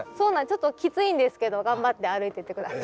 ちょっときついんですけど頑張って歩いてって下さい。